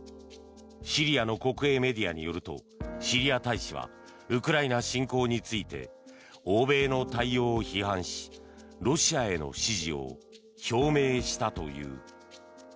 シリアの国営メディアによるとシリア大使はウクライナ侵攻について欧米の対応を批判しロシアへの支持を表明したという。